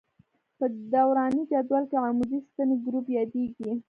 په دوراني جدول کې عمودي ستنې ګروپ یادیږي.